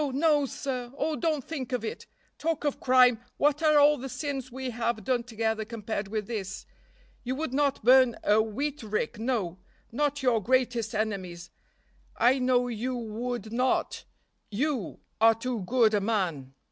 no! sir! Oh, don't think of it. Talk of crime, what are all the sins we have done together compared with this? You would not burn a wheat rick, no, not your greatest enemy's; I know you would not, you, are too good a man.